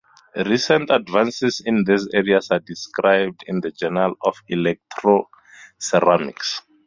Recent advances in these areas are described in the Journal of Electroceramics.